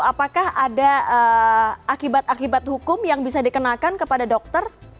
apakah ada akibat akibat hukum yang bisa dikenakan kepada dokter